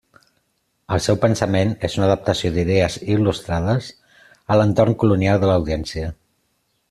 El seu pensament és una adaptació d'idees il·lustrades a l'entorn colonial de l'Audiència.